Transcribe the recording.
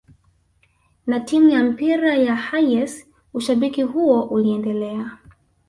na timu ya mpira ya Hayes ushabiki huo uliendelea